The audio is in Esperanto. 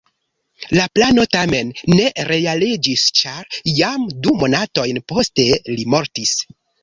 La plano tamen ne realiĝis, ĉar jam du monatojn poste li mortis.